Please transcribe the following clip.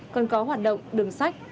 còn có hoạt động đường sách